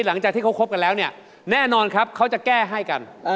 หลังจากที่เขาคบกันแล้วเนี่ยแน่นอนครับเขาจะแก้ให้กัน